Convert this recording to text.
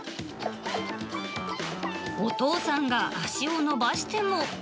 お父さんが足を伸ばしても。